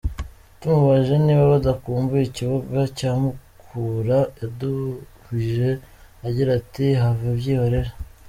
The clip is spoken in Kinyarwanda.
Tumubajije niba badakumbuye ikibuga cya mukura yadubije agira ati 'Have byihorere.